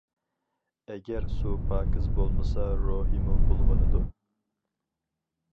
ئەگەر سۇ پاكىز بولمىسا روھىمۇ بۇلغىنىدۇ.